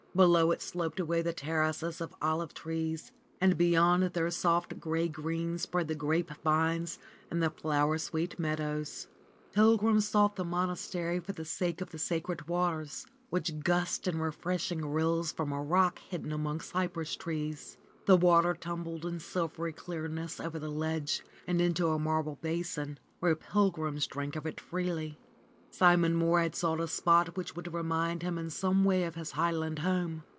Below it sloped away the terraces of olive trees and beyond their soft gray green spread the grape vines and the flower sweet meadows. Pilgrims sought the monastery for the sake of the sacred waters, which gushed in refreshing rills from a rock hidden among cypress trees. The water RENUNCIATION OF FRA SIMONETTA 111 tumbled in silvery clearness over the ledge and into a marble basin, where pilgrims drank of it freely. Simon Mohr had sought a spot which would remind him in some way of his highland home.